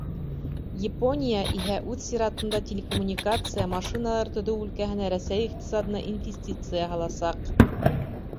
Япония иһә үҙ сиратында телекоммуникация, машиналар төҙөү өлкәһенә Рәсәй иҡтисадына инвестиция һаласаҡ.